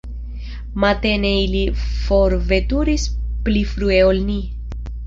Matene ili forveturis pli frue ol ni.